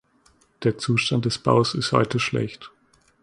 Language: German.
Der Zustand des Baus ist heute schlecht.